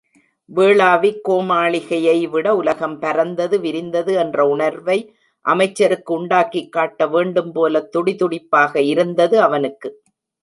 வேளாவிக்கோமாளிகையைவிட உலகம் பரந்தது விரிந்தது என்ற உணர்வை அமைச்சருக்கு உண்டாக்கிக் காட்டவேண்டும் போலத் துடி துடிப்பாக இருந்தது அவனுக்கு.